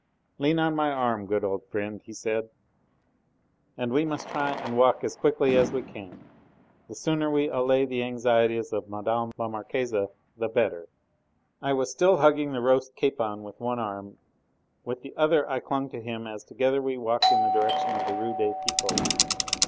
"Lean on my arm, good old friend," he said, "and we must try and walk as quickly as we can. The sooner we allay the anxieties of Mme. la Marquise the better." I was still hugging the roast capon with one arm, with the other I clung to him as together we walked in the direction of the Rue des Pipots.